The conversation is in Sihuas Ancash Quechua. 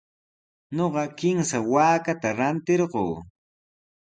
Ñuqa kimsa waakata rantirquu.